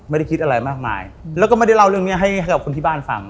ไม่ได้คิดอะไรมากมายแล้วก็ไม่ได้เล่าเรื่องเนี้ยให้กับคนที่บ้านฟัง